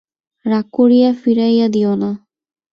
রাগ করিয়া ফিরাইয়া দিয়ো না।